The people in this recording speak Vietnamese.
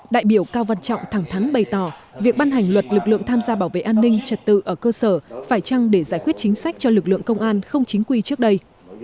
đại biểu cao văn trọng thẳng thắn bày tỏ việc ban hành luật lực lượng tham gia bảo vệ an ninh trật tự ở cơ sở phải trăng để giải quyết chính sách cho lực lượng công an không chính quy trước đây